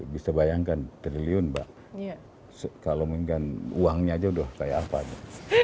bisa bayangkan triliun pak kalau minggir uangnya aja udah kayak apa